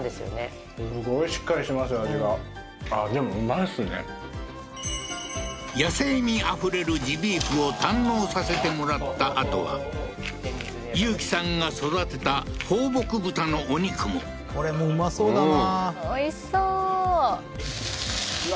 いいねー野性味あふれるジビーフを堪能させてもらったあとは雄喜さんが育てた放牧豚のお肉もこれもうまそうだなおいしそううわ